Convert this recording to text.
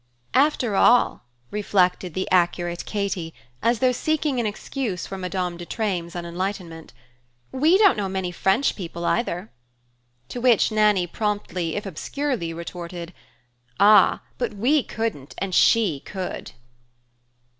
"After all," reflected the accurate Katy, as though seeking an excuse for Madame de Treymes' unenlightenment, "we don't know many French people, either." To which Nannie promptly if obscurely retorted: "Ah, but we couldn't and she could!"